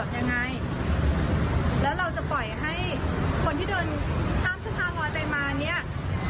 ยังไงแล้วเราจะปล่อยให้คนที่เดินข้ามน้อยไปมาเนี้ย